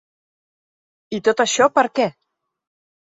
I tot això per què?